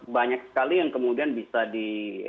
banyak sekali yang kemudian bisa di